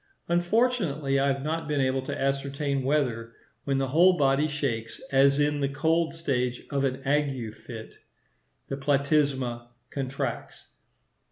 Unfortunately I have not been able to ascertain whether, when the whole body shakes, as in the cold stage of an ague fit, the platysma contracts.